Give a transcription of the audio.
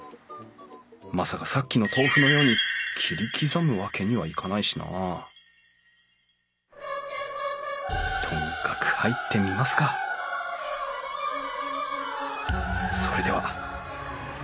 まさかさっきの豆腐のように切り刻むわけにはいかないしなとにかく入ってみますかそれでは。